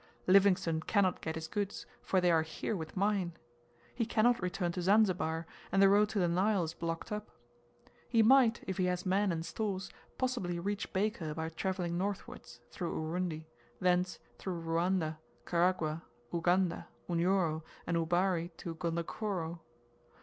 Livingstone cannot get his goods, for they are here with mine. He cannot return to Zanzibar, and the road to the Nile is blocked up. He might, if he has men and stores, possibly reach Baker by travelling northwards, through Urundi, thence through Ruanda, Karagwah, Uganda, Unyoro, and Ubari to Gondokoro.